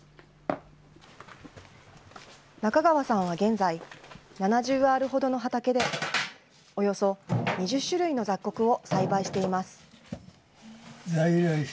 中川さんは現在、７０アールほどの畑で、およそ２０種類の雑穀を栽培しています。